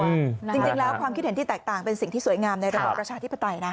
จริงแล้วความคิดเห็นที่แตกต่างเป็นสิ่งที่สวยงามในระบอบประชาธิปไตยนะ